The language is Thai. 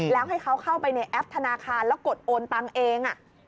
แล้วให้เขาเข้าไปในแอปธนาคารแล้วกดโอนตังเอง